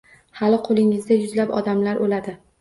Hali qo`lingizda yuzlab odamlar o`ladi